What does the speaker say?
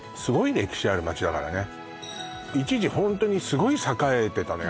歴史ある街だからね一時ホントにスゴい栄えてたのよ